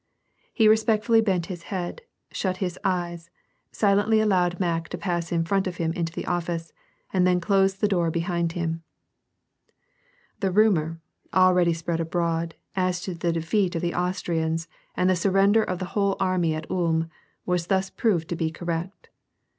He respectfully bent his head, shut 'his eyes, silently allowed Mack to pass in front of him into the office, and then closed the door behind him. The rumor, already spread abroad, as to the defeat of the Austrians and the surrender of the whole army at Ulm, was thus proved to be correct.